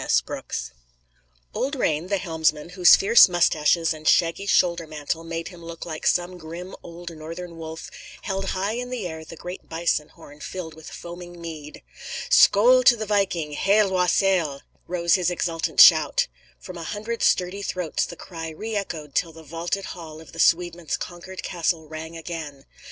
S. Brooks Old Rane, the helmsman, whose fierce mustaches and shaggy shoulder mantle made him look like some grim old Northern wolf, held high in air the great bison horn filled with foaming mead. "Skoal to the Viking! Hael was hael!"[Footnote: "Hail and health to the Viking!"] rose his exultant shout. From a hundred sturdy throats the cry re echoed till the vaulted hall of the Swedemen's conquered castle rang again.